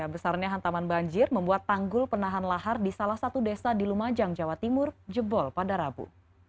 besarnya hantaman banjir membuat tanggul penahan lahar di salah satu desa di lumajang jawa timur jebol pada rabu